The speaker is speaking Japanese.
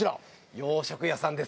洋食屋さんです。